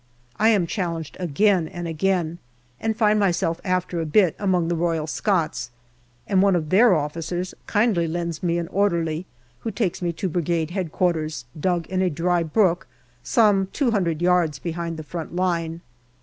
I am challenged again and again, and find myself after a bit among the Royal Scots, and one of their officers kindly lends me an orderly, who takes me to Brigade H.Q., dug in a dry brook, some two hundred yards behind the front line.